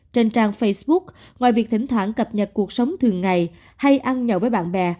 trên trang facebook ngoài việc thỉnh thoảng cập nhật cuộc sống thường ngày hay ăn nhậu với bạn bè